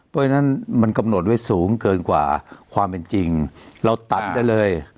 เพราะฉะนั้นมันกำหนดไว้สูงเกินกว่าความเป็นจริงเราตัดได้เลย